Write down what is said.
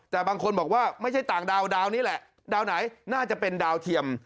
แต่บางคนบอกว่าไม่ใช่ต่างดาวดาวนี้แหละดาวไหนน่าจะเป็นดาวเทียม